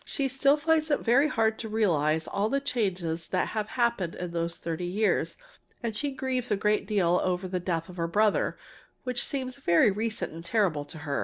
She still finds it very hard to realize all the changes that have happened in those thirty years, and she grieves a great deal over the death of her brother, which seems very recent and terrible to her.